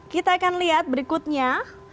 kita akan lihat berikutnya